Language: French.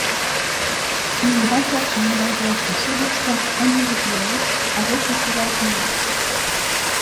Il y remporte une médaille d'or en saut d'obstacles individuel avec le cheval Eliot.